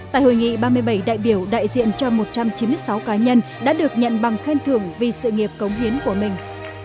tại hội nghị ba mươi bảy đại biểu đại diện cho một trăm chín mươi sáu cá nhân đã được nhận bằng khen thưởng vì sự nghiệp công hiến của mình